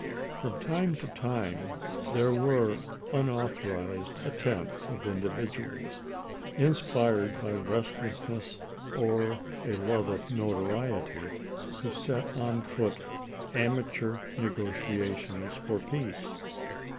From time to time there were unauthorized at tempts of individuals, inspired by restlessness or a love of notoriety, to set on foot amateur negotia tions for peace.